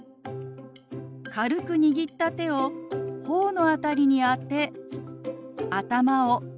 軽く握った手を頬の辺りに当て頭を軽くふります。